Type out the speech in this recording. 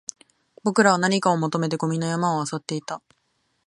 僕らは何かを求めてゴミの山を漁っていた